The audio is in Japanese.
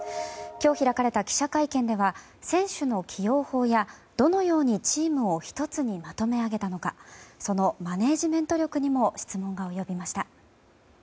今日開かれた記者会見では選手の起用法やどのようにチームを１つにまとめ上げたのかそのマネジメント力にも質問が及びました。